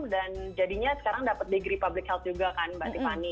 dan jadinya sekarang dapat degree public health juga kan mbak tiffany